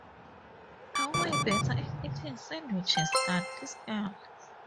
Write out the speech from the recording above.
I’m way better at eating sandwiches than this girl.